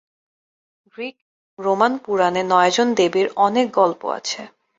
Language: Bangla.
গ্রীক এবং রোমান পুরাণে নয়জন দেবীর অনেক গল্প আছে।